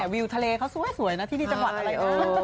วิวทะเลเขาสวยนะที่นี่จังหวัดอะไร